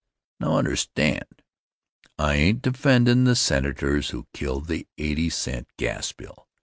Now, understand; I ain't defendin' the senators who killed the eighty cent gas bill.